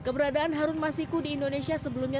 keberadaan harun masiku di indonesia sebelumnya